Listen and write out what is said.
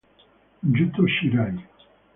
Yuto Shirai